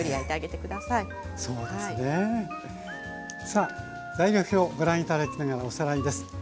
さあ材料表ご覧頂きながらおさらいです。